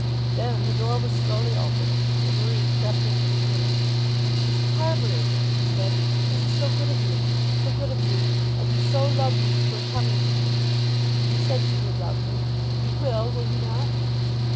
Then the door was slowly opened and Marie crept into the room. "Miss Carbury," she said, "this is so good of you, so good of you! I do so love you for coming to me! You said you would love me. You will; will you not?"